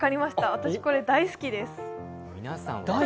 私、これ大好きです。